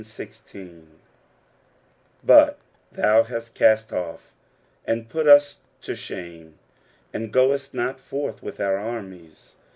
9 But thou hast cast off, and put us to shame ; and goest not forth with our armies.